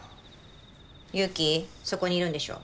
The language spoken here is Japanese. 祐樹そこにいるんでしょ？